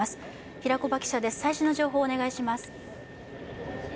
平木場記者です、最新の情報をお願いします。